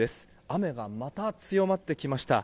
雨がまた強まってきました。